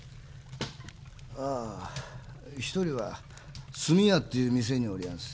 ああ一人は墨屋っていう店におりやす。